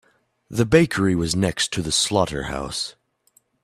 The bakery was next to the slaughterhouse.